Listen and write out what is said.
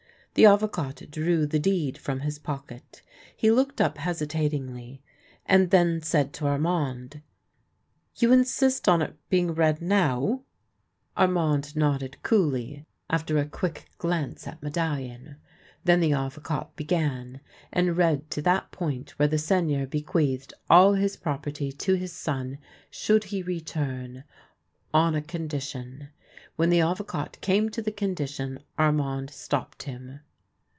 The Avocat drew the deed from his pocket. He looked up hesi tatingly, and then said to Armand, " You insist on it being read now? " 220 THE LANE THAT HAD NO TURNING Armand nodded coolly, after a quick glance at Medallion. Then the Avocat began, and read to that point where the Seigneur bequeathed all his property to his son, should he return — on a condition. When the Avocat came to the condition Armand stopped him.